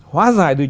hóa giải được